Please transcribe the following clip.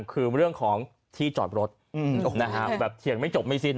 คือเรื่องของที่จอดรถแบบเถียงไม่จบไม่สิ้น